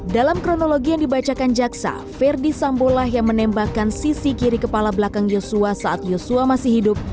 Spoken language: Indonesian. dalam kronologi yang dibacakan jaksa ferdi sambolah yang menembakkan sisi kiri kepala belakang yosua saat yosua masih hidup